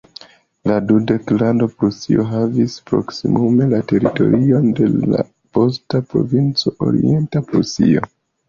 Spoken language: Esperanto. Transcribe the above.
La duklando Prusio havis proksimume la teritorion de la posta provinco Orienta Prusio.